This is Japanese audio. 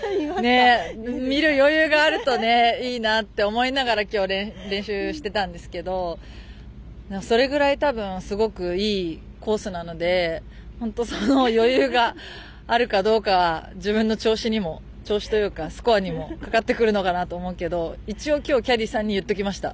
見る余裕があるといいなって思いながら今日練習してたんですけどそれぐらい、多分すごくいいコースなので本当、その余裕があるかどうかは自分の調子というかスコアにもかかってくるのかなと思うけど一応、今日キャディーさんに言っときました。